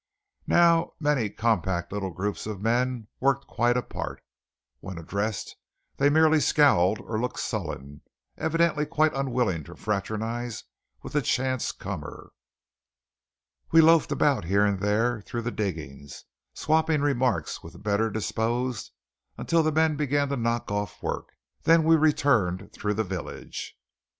Now many compact little groups of men worked quite apart. When addressed they merely scowled or looked sullen, evidently quite unwilling to fraternize with the chance comer. We loafed about here and there through the diggings, swapping remarks with the better disposed, until the men began to knock off work. Then we returned through the village.